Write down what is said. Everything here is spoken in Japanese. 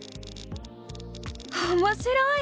おもしろい！